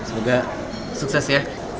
semoga sukses ya